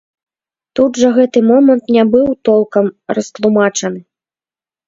Тут жа гэты момант не быў толкам растлумачаны.